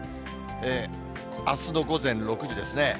あすの午前６時ですね。